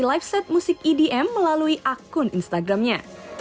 live musik edm melalui akun instagramnya